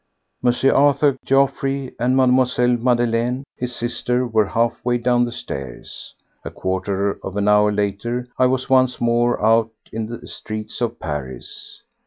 M. Arthur Geoffroy and Mademoiselle Madeleine his sister were half way down the stairs. A quarter of an hour later I was once more out in the streets of Paris.